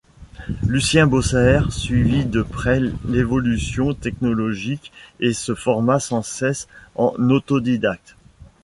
Lucien Bossaerts suivit de près l’évolution technologique et se forma sans cesse en autodidacte.